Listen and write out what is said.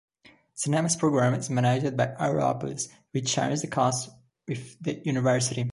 Cinema's programming is managed by Aeropolis, which shares the costs with the university.